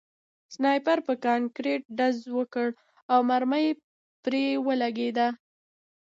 سنایپر په کانکریټ ډز وکړ او مرمۍ پرې ولګېده